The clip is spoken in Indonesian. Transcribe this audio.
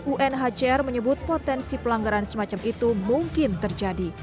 unhcr menyebut potensi pelanggaran semacam itu mungkin terjadi